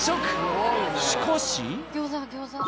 しかし。